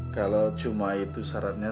kalau cuma itu syaratnya